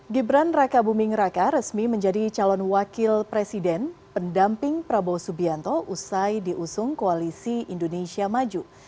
gibran raka buming raka resmi menjadi calon wakil presiden pendamping prabowo subianto usai diusung koalisi indonesia maju